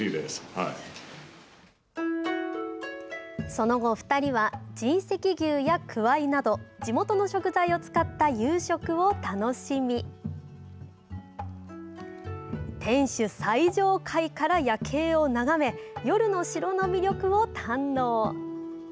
その後、２人は神石牛や、くわいなど地元の食材を使った夕食を楽しみ天守最上階から夜景を眺め夜の城の魅力を堪能。